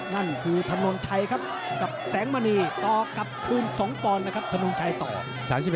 นั่นคือทานนท์ชัยครับกับแสงมณีต่อกับภูมิสงตรนะครับทานนท์ชัยต่อ